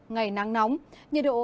ngày nắng nóng nhiệt độ cao